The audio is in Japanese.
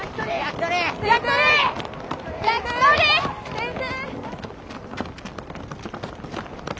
先生！